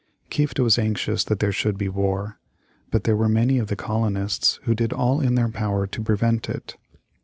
Kieft was anxious that there should be war. But there were many of the colonists who did all in their power to prevent it.